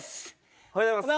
おはようございます。